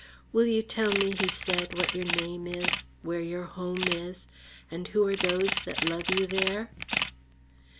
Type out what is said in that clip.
"Will you tell me," he said, "what your name is, where your home is, and who are those that love you there?"